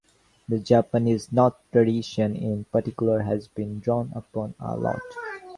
The Japanese Noh tradition, in particular has been drawn upon a lot.